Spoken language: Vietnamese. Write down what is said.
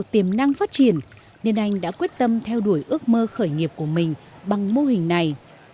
tiềm năng phát triển nên anh đã quyết tâm theo đuổi ước mơ khởi nghiệp của mình bằng mô hình này